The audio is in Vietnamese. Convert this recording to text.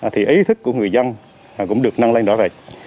thì ý thức của người dân cũng được năng lên đỏ rệt